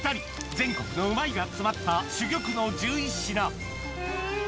全国のうまいが詰まった珠玉の１１品うん！